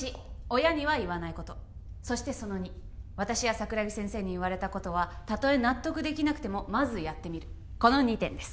親には言わないことそしてその２私や桜木先生に言われたことはたとえ納得できなくてもまずやってみるこの２点です